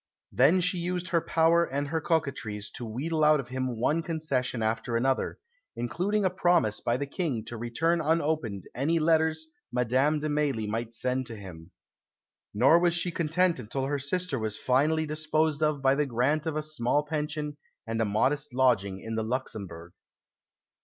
Then she used her power and her coquetries to wheedle out of him one concession after another, including a promise by the King to return unopened any letters Madame de Mailly might send to him. Nor was she content until her sister was finally disposed of by the grant of a small pension and a modest lodging in the Luxembourg.